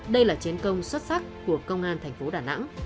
đây là chiến công xuất sắc của công an thành phố đà nẵng